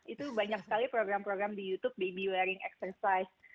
itu banyak sekali program program di youtube baby wering exercise